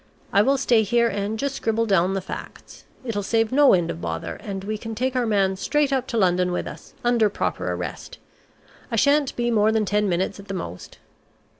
I will stay here and just scribble down the facts. It'll save no end of bother, and we can take our man straight up to London with us, under proper arrest. I shan't be more than ten minutes at the most."